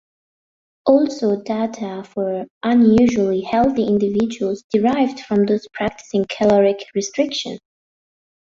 Also data for unusually healthy individuals derived from those practicing caloric restriction.